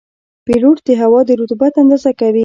پیلوټ د هوا د رطوبت اندازه کوي.